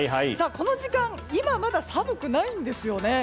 この時間今まだ寒くないんですよね。